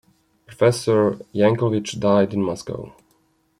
Professor Yankelevich died in Moscow.